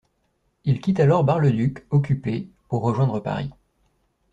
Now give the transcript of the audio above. Il quitte alors Bar-le-Duc, occupée, pour rejoindre Paris.